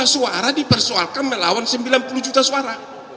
tiga suara dipersoalkan melawan sembilan puluh juta suara